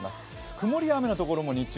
曇りや雨のところも、日中、